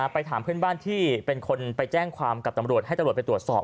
ไปถามเพื่อนบ้านที่เป็นคนไปแจ้งความกับตำรวจให้ตำรวจไปตรวจสอบ